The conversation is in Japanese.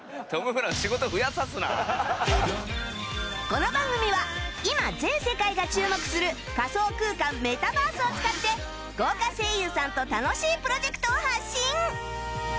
この番組は今全世界が注目する仮想空間メタバースを使って豪華声優さんと楽しいプロジェクトを発信